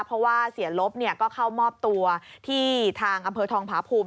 เพราะว่าเสียลบก็เข้ามอบตัวที่ทางอำเภอทองผาภูมิ